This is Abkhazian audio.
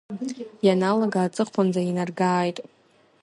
Ианалага аҵыхәанӡа инаргааит.